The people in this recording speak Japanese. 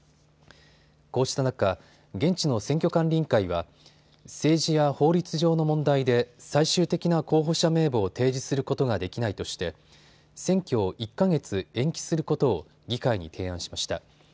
こうした中、現地の選挙管理委員会は政治や法律上の問題で最終的な候補者名簿を提示することができないとして選挙を１か月延期することを議会に提案しました。